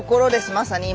まさに今。